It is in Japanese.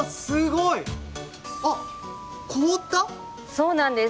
そうなんです。